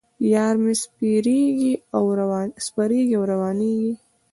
یار مې سپریږي او روانېږي.